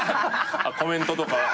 コメントとか。